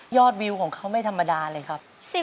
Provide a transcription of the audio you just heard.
วิวของเขาไม่ธรรมดาเลยครับ